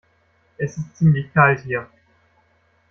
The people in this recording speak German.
Es ist ziemlich kalt hier.